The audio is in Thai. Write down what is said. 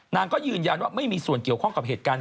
นางก็ยืนยันว่าไม่มีส่วนเกี่ยวข้องกับเหตุการณ์